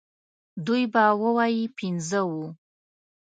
دوی به ووايي پنځه وو.